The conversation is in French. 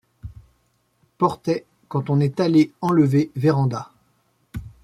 portait quand on est allé enlever Vérandà.